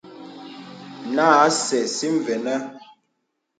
Nǎ à sɛ̀ɛ̀ si və̀nə̀.